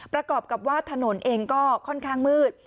ประกอบกับว่าถนนเองก็ค่อนข้างมืด